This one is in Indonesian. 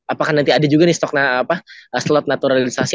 apakah nanti ada juga nih stok slot naturalisasi